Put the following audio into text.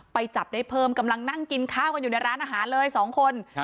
จับได้เพิ่มกำลังนั่งกินข้าวกันอยู่ในร้านอาหารเลยสองคน